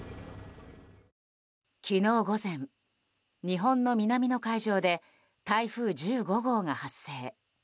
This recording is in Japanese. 昨日午前、日本の南の海上で台風１５号が発生。